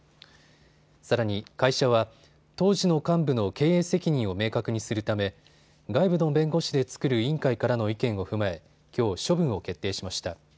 さらに会社は当時の幹部の経営責任を明確にするため外部の弁護士で作る委員会からの意見を踏まえきょう処分を決定しました。